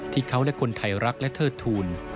ที่เขาและคนไทยรักและเทิดทูล